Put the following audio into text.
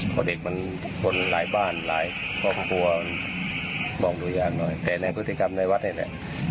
ก็อะไรบ้านก็มองหลายแต่ไหนไม่เป็นอะไร